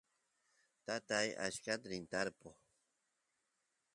tatay achkata rin tarpuy